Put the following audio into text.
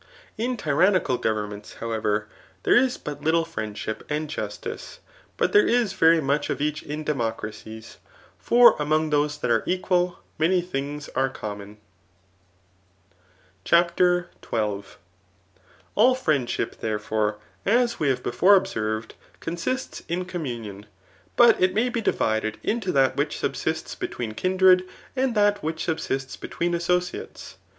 In tyrannical Digitized by Google 316 THE KIOOMACHEAN IMK VItt« goTCrnmentSy however, diere is bat Uitie friendship ad justice ; but there is very much of each ia democA* des ; for among those that are equal, many thii^ w» common. CHAPTER XII. All friendship, therefore, as we have before observed, consists in communion ; but it may be divided into that which subsists between kindred, and that which subsist! between associates.